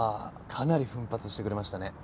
かなり奮発してくれましたね。